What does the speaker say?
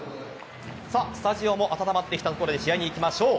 スタジオも温まってきたところで試合にいきましょう。